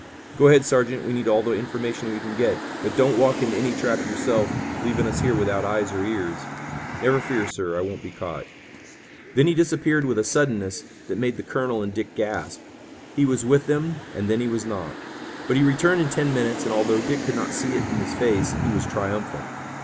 "Go ahead, Sergeant. We need all the information we can get, but don't walk into any trap yourself, leaving us here without eyes or ears." "Never fear, sir. I won't be caught." Then he disappeared with a suddenness that made the colonel and Dick gasp. He was with them, and then he was not. But he returned in ten minutes, and, although Dick could not see it in his face, he was triumphant.